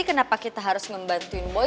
kenapa kita harus membantuin boy